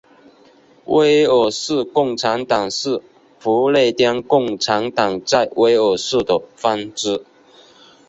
威尔士共产党是不列颠共产党在威尔士的分支。